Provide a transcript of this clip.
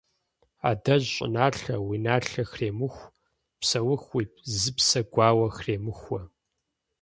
Адэжь щӀыналъэ, уи налъэ хремыху, Псэуху уи зыпсэ гуауэ хремыхуэ.